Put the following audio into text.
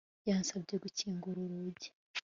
Yansabye gukingura urugi